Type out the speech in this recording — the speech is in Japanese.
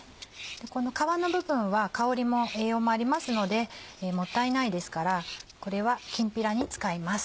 この皮の部分は香りも栄養もありますのでもったいないですからこれはきんぴらに使います。